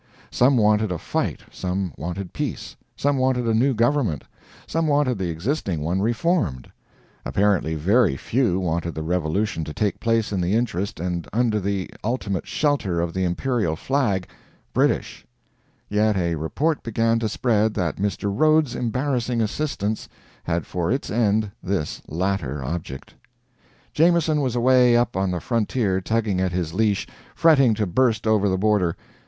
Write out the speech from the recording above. Some wanted a fight, some wanted peace; some wanted a new government, some wanted the existing one reformed; apparently very few wanted the revolution to take place in the interest and under the ultimate shelter of the Imperial flag British; yet a report began to spread that Mr. Rhodes's embarrassing assistance had for its end this latter object. Jameson was away up on the frontier tugging at his leash, fretting to burst over the border.